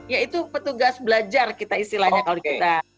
yaitu petugas belajar istilahnya kalau kita